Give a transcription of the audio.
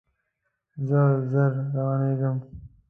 زه ژر روانیږم